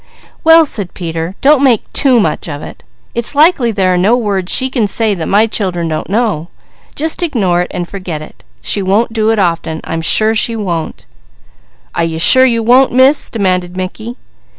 "Well," said Peter, "don't make too much of it! It's likely there are no words she can say that my children don't know. Just ignore and forget it! She won't do it often. I'm sure she won't!" "Are you sure you won't, Miss?" demanded Mickey.